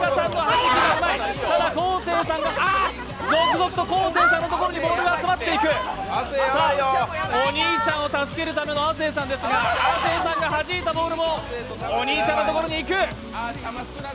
ただ昴生さんが続々と昴生さんのところにボールが集まっていくさあ、お兄ちゃんを助けるための亜生さんですが、亜生さんがはじいたボールもお兄ちゃんの所に行く。